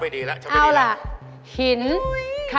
อเรนนี่มันต้องฟังอยู่ค่ะ